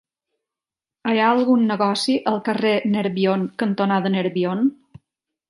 Hi ha algun negoci al carrer Nerbion cantonada Nerbion?